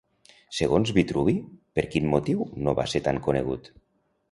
Segons Vitruvi per quin motiu no va ser tan conegut?